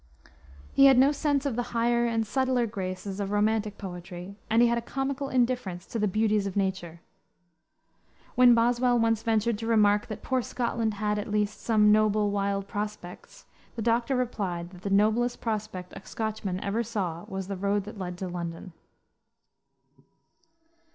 He had no sense of the higher and subtler graces of romantic poetry, and he had a comical indifference to the "beauties of nature." When Boswell once ventured to remark that poor Scotland had, at least, some "noble, wild prospects," the doctor replied that the noblest prospect a Scotchman ever saw was the road that led to London.